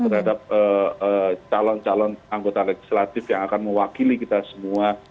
terhadap calon calon anggota legislatif yang akan mewakili kita semua